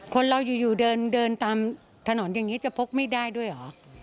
คนเราอยู่เดินตามถนนอย่างนี้จะพกไม่ได้ด้วยเหรอ